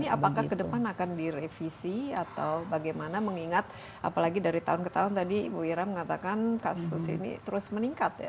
apakah ke depan akan direvisi atau bagaimana mengingat apalagi dari tahun ke tahun tadi ibu ira mengatakan kasus ini terus meningkat ya